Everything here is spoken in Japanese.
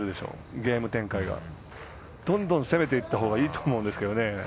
ゲーム展開がどんどん攻めていったほうがいいと思うんですけどね。